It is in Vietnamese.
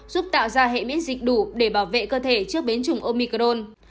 và hệ biến dịch đủ để bảo vệ cơ thể trước biến chủng omicron